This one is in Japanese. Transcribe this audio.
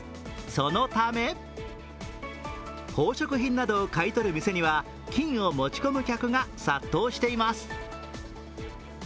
そのため宝飾品などを買い取る店には、金を持ち込む客が殺到しています。